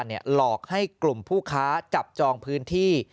หลอกให้กลุ่มผู้ค้าจับจองพื้นที่